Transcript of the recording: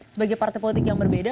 sebagai partai politik yang berbeda